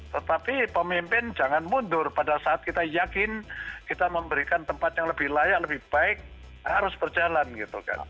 tetapi pemimpin jangan mundur pada saat kita yakin kita memberikan tempat yang lebih layak lebih baik harus berjalan gitu kan